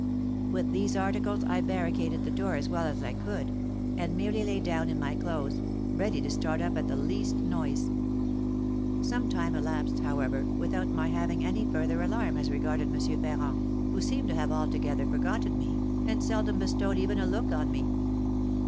With these articles I barricaded the door as well as I could, and merely lay down in my clothes, ready to start up at the least noise. Some time elapsed, however, without my having any further alarm as regarded M. Ferrand, who seemed to have altogether forgotten me, and seldom bestowed even a look on me.